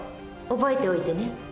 覚えておいてね。